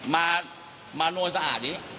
มาโน้นสะอาดนี้